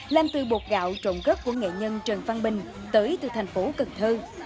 làm từ bột gạo trộn gất của nghệ nhân trần phan bình tới từ thành phố cần thơ